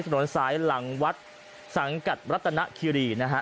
ถนนสายหลังวัดสังกัดรัตนคิรีนะฮะ